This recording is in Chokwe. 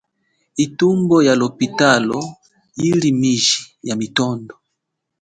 Ithumbo ya lophitalo, yili miji ya mitondo.